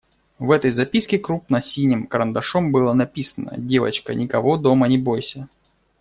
В этой записке крупно синим карандашом было написано: «Девочка, никого дома не бойся.»